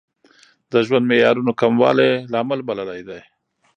د ژوند معیارونو کموالی لامل بللی دی.